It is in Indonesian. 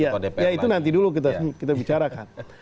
ya itu nanti dulu kita bicarakan